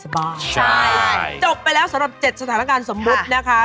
ใช่จบไปแล้วสำหรับ๗สถานการณ์สมมุตินะคะ